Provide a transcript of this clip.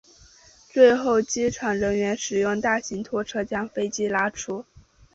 最后机场人员使用大型拖车将飞机拉出。